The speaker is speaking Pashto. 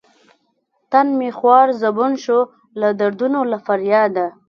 تن مې خوار زبون شو لۀ دردونو له فرياده